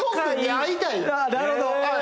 なるほど。